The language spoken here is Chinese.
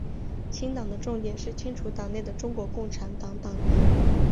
清党的重点是清除党内的中国共产党党员。